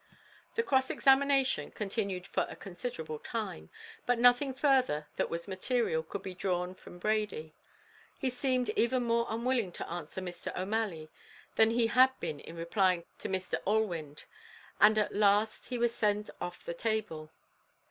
The cross examination continued for a considerable time; but nothing further that was material could be drawn from Brady. He seemed even more unwilling to answer Mr. O'Malley, than he had been in replying to Mr. Allewinde, and at last he was sent off the table.